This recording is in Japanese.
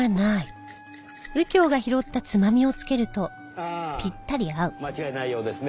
ああ間違いないようですね。